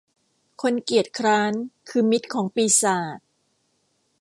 คนเกียจคร้านคือมิตรของปีศาจ